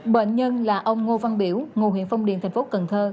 bệnh nhân là ông ngô văn biểu ngụ huyện phong điền thành phố cần thơ